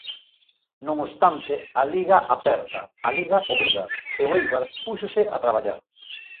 Non obstante, a Liga aperta, a Liga obriga e o Éibar púxose a traballar.